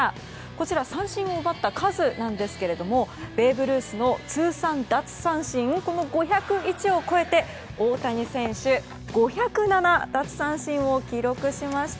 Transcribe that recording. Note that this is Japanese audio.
こちら三振を奪った数なんですけどもベーブ・ルースの通算奪三振この５０１を超えて大谷翔平、５０７奪三振を記録しました。